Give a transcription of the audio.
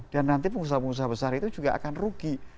dan nanti pengusaha pengusaha besar itu juga akan rugi